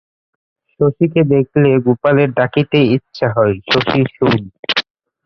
শশীকে দেখলে গোপালের ডাকিতে ইচ্ছ হয়, শশী শোন।